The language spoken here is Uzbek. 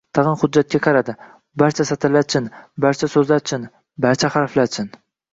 Tag‘in hujjatga qaradi: barcha satrlar chin. Barcha so‘zlar chin. Barcha harflar chin.